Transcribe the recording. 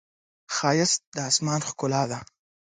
ښایست د آسمان ښکلا ده